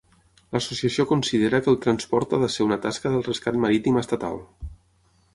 L'associació considera que el transport ha de ser una tasca del rescat marítim estatal.